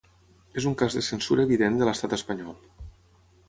És un cas de censura evident de l’estat espanyol.